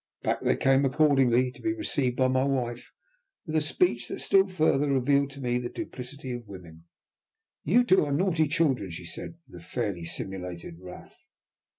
Back they came accordingly, to be received by my wife with a speech that still further revealed to me the duplicity of women. "You are two naughty children," she said, with fairly simulated wrath.